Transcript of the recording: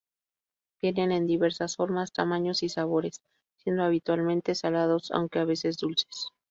Vienen en diversas formas, tamaños y sabores, siendo habitualmente salados aunque a veces dulces.